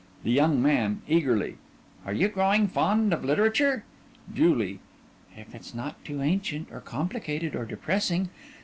THE YOUNG MAN: (Eagerly) Are you growing fond of literature? JULIE: If it's not too ancient or complicated or depressing.